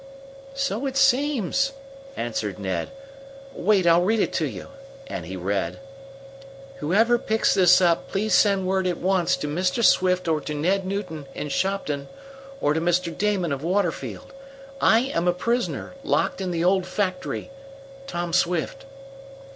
"So it seems," answered Ned. "Wait, I'll read it to you," and he read: "'Whoever picks this up please send word at once to Mr. Swift or to Ned Newton in Shopton, or to Mr. Damon of Waterfield. I am a prisoner, locked in the old factory. Tom Swift'."